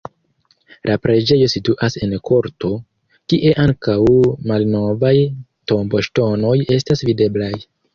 La preĝejo situas en korto, kie ankaŭ malnovaj tomboŝtonoj estas videblaj.